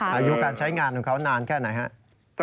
อายุการใช้งานของเขานานแค่ไหนครับ